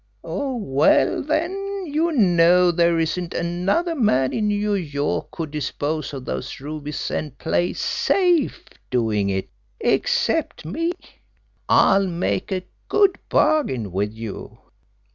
Well, then, you know there isn't another man in New York could dispose of those rubies and play SAFE doing it except me. I'll make a good bargain with you."